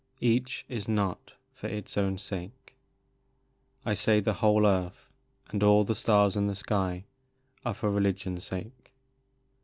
Each is not for its own sake ; I say the whole earth, and all the stars in the sky, are for Religion's sake.